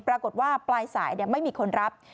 ปรากฏว่าปลายสายไม่มีคนรับ